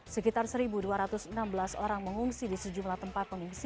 sekitar satu dua ratus enam belas orang mengungsi di sejumlah tempat pengungsi